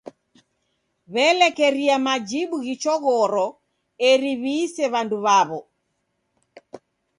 W'elekeria majibu ghichoghoro eri w'iise mndu waw'o.